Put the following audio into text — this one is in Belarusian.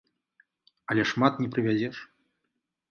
Але шмат не прывязеш.